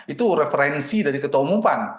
itu referensi dari ketua umum pan